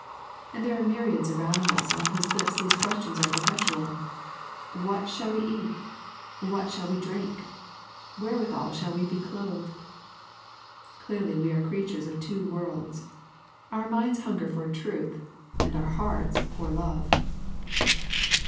And there are myriads around us on whose lips these questions are perpetual, " What shall we eat) What shall we drink? Wherewithal shall we be clothed?" Clearly wo are creatures of two worlds. Our minds hunger for tnith and our hearts for love.